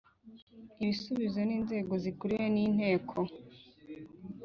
Ibisubizo n inzego zikuriwe n inteko